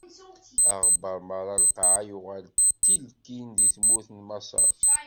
Aɣebbar meṛṛa n lqaɛa yuɣal d tilkin di tmurt n Maṣer.